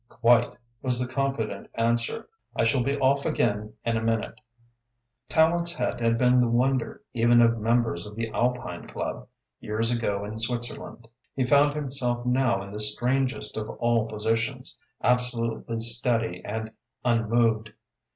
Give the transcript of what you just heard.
"Quite," was the confident answer. "I shall be off again in a minute." Tallente's head had been the wonder even of members of the Alpine Club, years ago in Switzerland. He found himself now in this strangest of all positions, absolutely steady and unmoved.